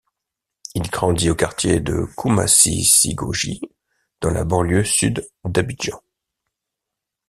Il grandit au quartier de Koumassi Sicogi dans la banlieue sud d'Abidjan.